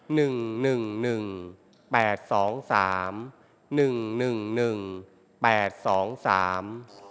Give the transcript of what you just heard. หนึ่งหนึ่งหนึ่งแปดสองสามหนึ่งหนึ่งหนึ่งหนึ่งแปดสองสาม